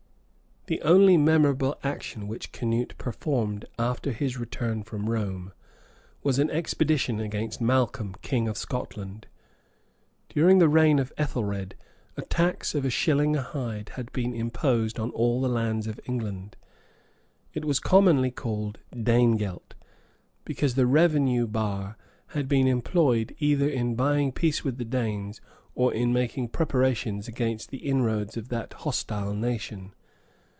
{1031.} The only memorable action which Canute performed after his return from Rome, was an expedition against Malcolm, king of Scotland. During the reign of Ethelred, a tax of a shilling a hide had been imposed on all the lands of England. It was commonly called 'danegelt;' because the revenue bar been employed either in buying peace with the Danes, or in making preparations against the inroads of that hostile nation.